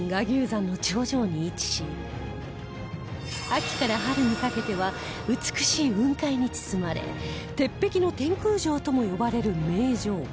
山の頂上に位置し秋から春にかけては美しい雲海に包まれ鉄壁の天空城とも呼ばれる名城